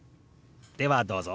ではどうぞ！